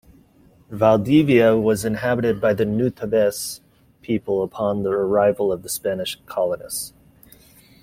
Valdivia was inhabited by the Nutabes people upon the arrival of the Spanish colonists.